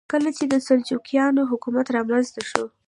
کله چې د سلجوقیانو حکومت رامنځته شو.